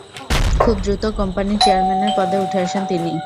খুব দ্রুত কোম্পানির চেয়ারম্যানের পদে উঠে আসেন তিনি।